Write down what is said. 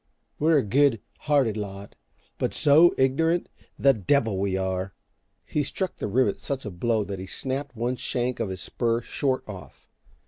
We're a good hearted lot, but SO ignorant! The devil we are!" He struck the rivet such a blow that he snapped one shank of his spur short off.